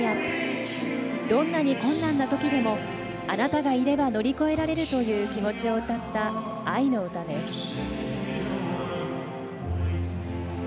どんなに困難なときでもあなたがいれば乗り越えられるという気持ちを歌った愛の歌です。